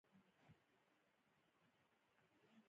ایا ستاسو بلنه به نه منل کیږي؟